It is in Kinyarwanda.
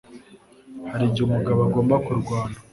Hari igihe umugabo agomba kurwana